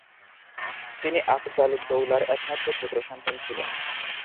তিনি আফজালউদ্দৌলার একমাত্র পুত্র সন্তান ছিলেন।